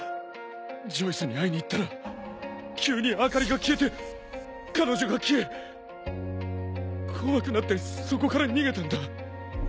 ジョイスに会いに行ったら急に明かりが消えて彼女が消え怖くなってそこから逃げたんだ。